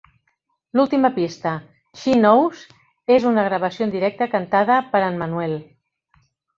L'última pista, "She Knows", és una gravació en directe cantada per en Manuel.